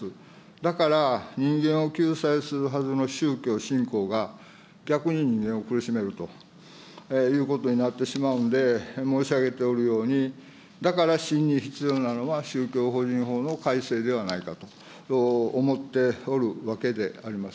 だから人間を救済するはずの宗教、信仰が、逆に人間を苦しめるということになってしまうので、申し上げておるように、だから真に必要なのは宗教法人法の改正ではないかと思っておるわけであります。